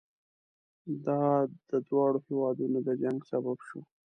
دا د دواړو هېوادونو د جنګ سبب شو.